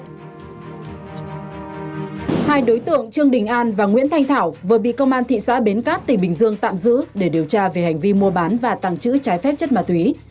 hai đối tượng trương đình an và nguyễn thanh thảo vừa bị công an thị xã bến cát tỉnh bình dương tạm giữ để điều tra về hành vi mua bán và tăng trữ trái phép chất mà tùy